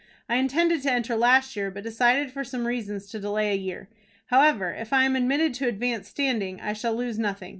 I intended to enter last year, but decided for some reasons to delay a year. However, if I am admitted to advanced standing, I shall lose nothing.